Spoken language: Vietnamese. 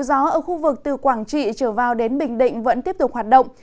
gió ở khu vực từ quảng trị trở vào đến bình định vẫn tiếp tục hoạt động